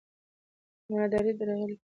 امانتداري درغلي کموي.